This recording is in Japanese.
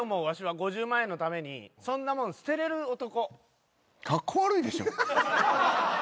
５０万円のためにそんなもん捨てれる男。